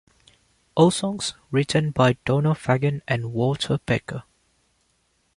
All songs written by Donald Fagen and Walter Becker.